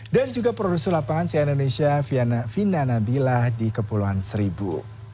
dan juga produser lapangan siarana indonesia viana vina nabilah di kepulauan seribu